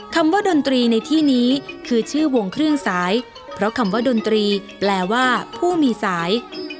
คำว่าดนตรีในที่นี้คือชื่อวงเครื่องสายเพราะคำว่าดนตรีแปลว่าผู้มีสาย